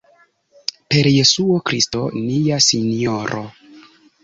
Per Jesuo Kristo nia Sinjoro.